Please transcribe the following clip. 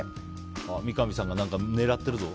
三上さんが狙ってるぞ。